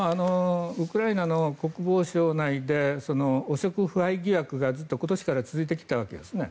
ウクライナの国防省内で汚職腐敗疑惑がずっと今年から続いてきたわけですね。